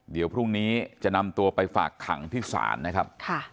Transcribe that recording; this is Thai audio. เดี๋ยวพรุ่งนี้จะนำตัวไปฝากขังที่ศาลนะครับ